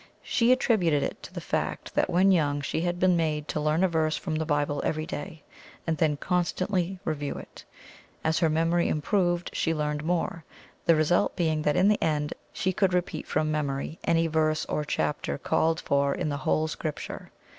She attributed it to the fact that when young she had been made to learn a verse from the Bible every day, and then constantly review it. As her memory improved, she learned more, the result being that in the end she could repeat from memory any verse or chapter called for in the whole Scripture.